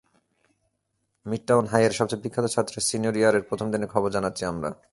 Midtown হাইয়ের সবচেয়ে বিখ্যাত ছাত্রের সিনিয়র ইয়ারের প্রথম দিনের খবর জানাচ্ছি আমরা।